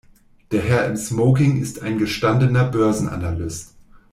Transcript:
Der Herr im Smoking ist ein gestandener Börsenanalyst.